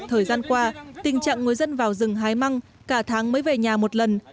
thời gian qua tình trạng người dân vào rừng hái măng cả tháng mới về nhà một lần